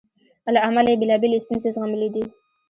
له امله یې بېلابېلې ستونزې زغملې دي.